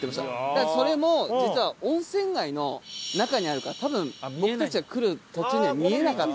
それも実は温泉街の中にあるから多分僕たちが来る途中には見えなかった。